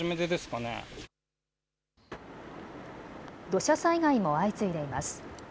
土砂災害も相次いでいます。